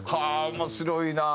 面白いな。